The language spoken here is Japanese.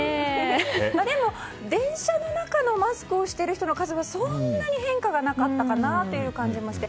でも、電車の中のマスクをしている人の数はそんなに変化がなかったかなという感じもして。